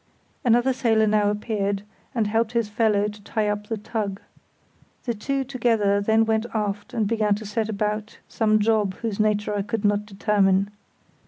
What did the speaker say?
Another sailor now appeared and helped his fellow to tie up the tug. The two together then went aft and began to set about some job whose nature I could not determine.